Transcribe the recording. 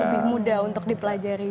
lebih mudah untuk dipelajari